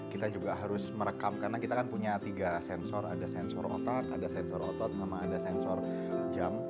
kita juga harus merekam karena kita kan punya tiga sensor ada sensor otak ada sensor otot sama ada sensor jam